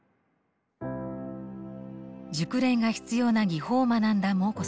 熟練が必要な技法を学んだモー子さん。